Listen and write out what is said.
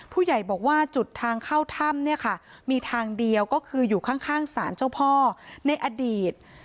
ผู้ใหญ่บอกว่าจุดทางเข้าถ้ำเนี่ยค่ะมีทางเดียวก็คืออยู่ข้างศาลเจ้าพ่อในอดีต